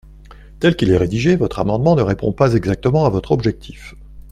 Tel qu’il est rédigé, votre amendement ne répond pas exactement à votre objectif.